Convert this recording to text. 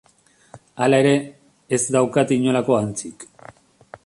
Hala ere, ez daukate inolako antzik.